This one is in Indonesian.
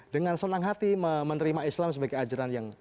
dengan senang hati menerima islam sebagai ajaran yang